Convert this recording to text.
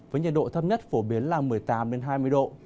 với nhiệt độ thấp nhất phổ biến là một mươi tám hai mươi độ